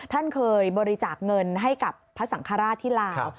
ท่านเคยบริจาคเงินให้กับพระสังฆราชที่ลาว